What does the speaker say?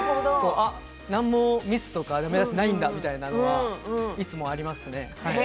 何もミスとかだめ出しがないんだみたいなのがいつもありますね。